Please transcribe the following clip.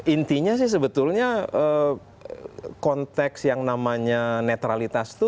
intinya sih sebetulnya konteks yang namanya netralitas itu